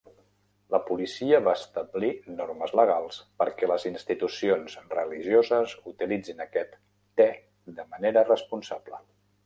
La policia va establir normes legals perquè les institucions religioses utilitzin aquest te de manera responsable.